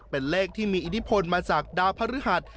เป็นเลขที่มีอินิพลมาจากดาวพระภรรยาศ